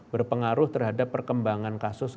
berpengaruh terhadap perkembangan kasus